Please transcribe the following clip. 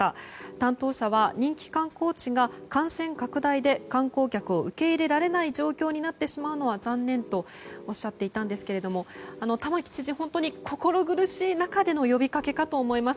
担当者は人気観光地が感染拡大で観光客を受け入れられない状況になってしまうのは残念とおっしゃっていたんですけども玉城知事、本当に心苦しい中での呼びかけかと思います。